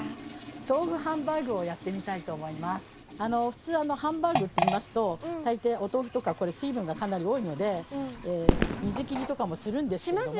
普通ハンバーグっていいますと大抵お豆腐とかこれ水分がかなり多いので水切りとかもするんですけども。